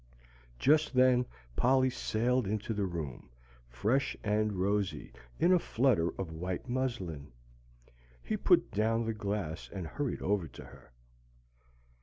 Just then Polly sailed into the room, fresh and rosy, in a flutter of white muslin. He put down the glass and hurried over to her.